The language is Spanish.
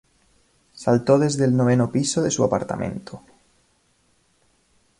Saltó desde el noveno piso de su apartamento.